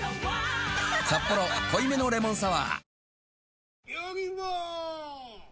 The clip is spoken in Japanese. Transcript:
「サッポロ濃いめのレモンサワー」